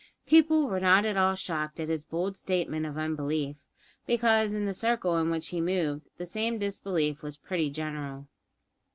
People were not at all shocked at his bold statement of unbelief; because, in the circle in which he moved, the same disbelief was pretty general.